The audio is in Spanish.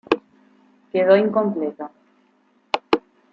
Quedó incompleto.